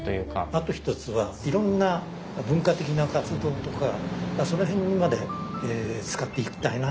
あと一つはいろんな文化的な活動とかその辺まで使っていきたいな。